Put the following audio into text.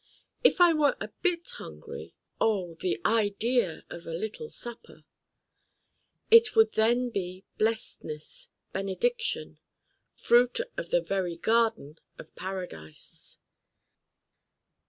If I were a bit hungry: oh, the idea of a little supper! It would then be blestness, benediction fruit of the very garden of Paradise!